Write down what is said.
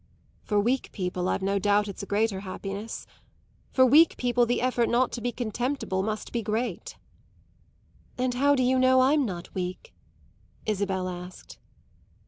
"For weak people I've no doubt it's a greater happiness. For weak people the effort not to be contemptible must be great." "And how do you know I'm not weak?" Isabel asked.